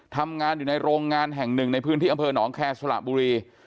ทำงานอยู่ในโรงงานแห่งหนึ่งในพื้นที่อำเภอหนองแคร์สละบุรี